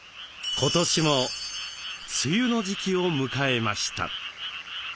今年も梅雨の時期を迎えました。